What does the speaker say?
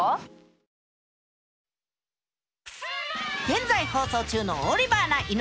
現在放送中の「オリバーな犬」。